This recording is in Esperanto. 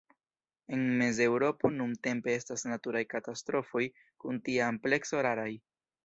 En Mez-Eŭropo nuntempe estas naturaj katastrofoj kun tia amplekso raraj.